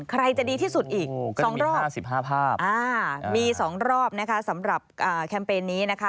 ใครจะดีที่สุดอีก๒รอบ๕๕ภาพมี๒รอบนะคะสำหรับแคมเปญนี้นะคะ